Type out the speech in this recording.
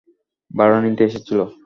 ভাড়া নিতে এসেছিল।